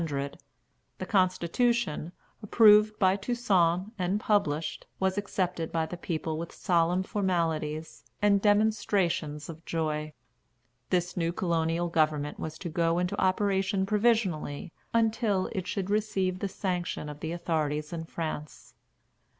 The constitution, approved by Toussaint and published, was accepted by the people with solemn formalities and demonstrations of joy. This new colonial government was to go into operation provisionally, until it should receive the sanction of the authorities in France.